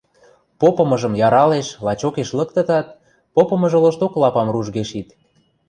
Попымыжым яралеш, лачокеш лыктытат, попымыжы лошток лапам ружге шит.